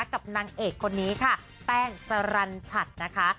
กับนางเอกคนนี้ค่ะแป้งสรรชัดนะคะ